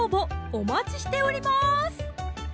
お待ちしております